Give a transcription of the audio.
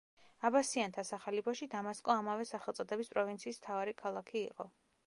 აბასიანთა სახალიფოში დამასკო ამავე სახელწოდების პროვინციის მთავარი ქალაქი იყო.